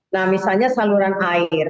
nah misalnya saluran air